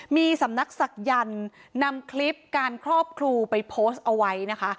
มีสำนักศักยันต์นำคลิปการครอบครูไปโพสต์เอาไว้นะคะ